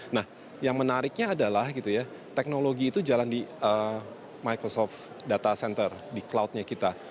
nah yang menariknya adalah teknologi itu jalan di microsoft data center di cloud nya kita